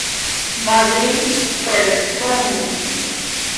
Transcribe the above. Madrid: Verbum.